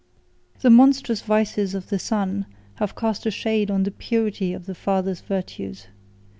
] The monstrous vices of the son have cast a shade on the purity of the father's virtues.